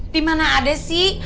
dimana ada sih